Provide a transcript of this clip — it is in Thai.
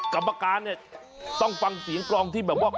กรรมการเนี่ยต้องฟังเสียงกรองที่แบบว่า